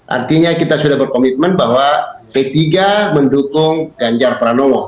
artinya kita sudah berkomitmen bahwa p tiga mendukung ganjar pranowo